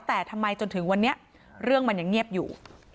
แต่ทำไมจนถึงวันนี้เรื่องมันยังเงียบอยู่